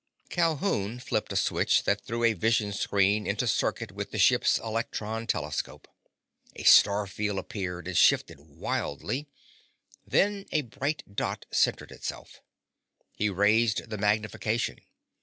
Calhoun flipped a switch that threw a vision screen into circuit with the ship's electron telescope. A starfield appeared and shifted wildly. Then a bright dot centered itself. He raised the magnification.